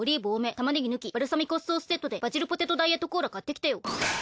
タマネギ抜きバルサミコソースセットでバジルポテトダイエットコーラ買ってきてよ。